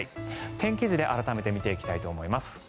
天気図で改めて見ていきたいと思います。